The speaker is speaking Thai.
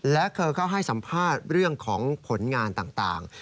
และเธอก็ให้สัมภาษณ์เรื่องของผลงานต่าง